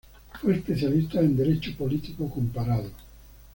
Fue especialista en derecho político comparado.